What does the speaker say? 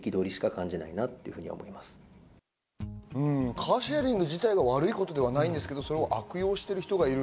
カーシェアリング自体が悪いことではないんですけど、悪用している人がいる。